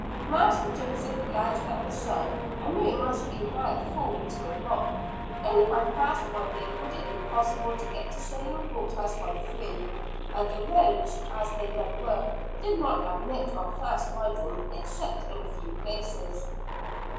Master Joseph glanced at the sun, and knew it must be now full two o'clock. Only by fast riding, would it be possible to get to Salem court house by three; and the roads, as they then were, did not admit of fast riding except in a few places.